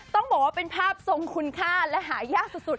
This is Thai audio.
ต้องบอกว่าเป็นภาพทรงคุณค่าและหายากสุด